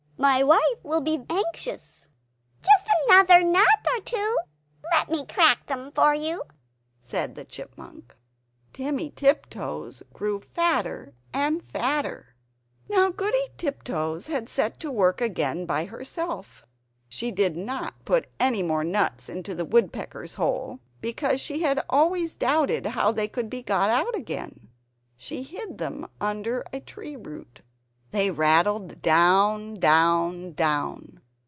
My wife will be anxious!" "Just another nut or two nuts; let me crack them for you," said the Chipmunk. Timmy Tiptoes grew fatter and fatter! Now Goody Tiptoes had set to work again by herself. She did not put any more nuts into the woodpecker's hole, because she had always doubted how they could be got out again. She hid them under a tree root; they rattled down, down, down.